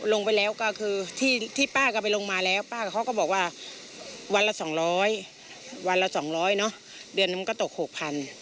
ลงไปแล้วก็คือที่ป้าก็ไปลงมาแล้วป้าก็บอกว่าวันละสองร้อยวันละสองร้อยเนาะเดือนนั้นก็ตกหกพัน